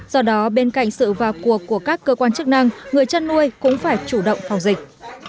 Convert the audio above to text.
do đó bên cạnh sự vào cuộc của các cơ quan chức năng người chăn nuôi cũng phải chủ động phòng dịch